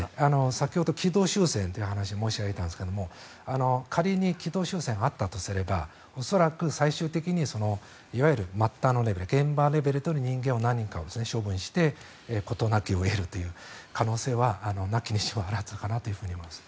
先ほど軌道修正という話を申し上げたんですが仮に軌道修正があったとすれば恐らく最終的にいわゆる末端のレベル現場レベルの人間を何人かを処分して事なきを得るという可能性はなきにしもあらずかなと思います。